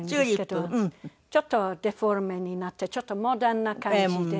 ちょっとデフォルメになってちょっとモダンな感じで。